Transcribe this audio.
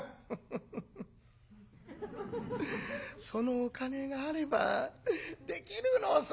そのお金があればできるのさ」。